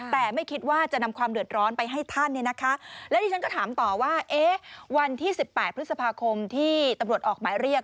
แต่ไม่คิดว่าจะนำความเดือดร้อนไปให้ท่านเนี่ยนะคะแล้วที่ฉันก็ถามต่อว่าวันที่๑๘พฤษภาคมที่ตำรวจออกหมายเรียก